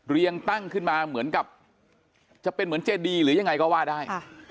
ตั้งขึ้นมาเหมือนกับจะเป็นเหมือนเจดีหรือยังไงก็ว่าได้